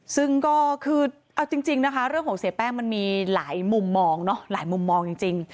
ซึ่งก็คือเอาจริงนะคะเรื่องของเสียแป้งมันมีหลายมุมมองเนาะหลายมุมมองจริง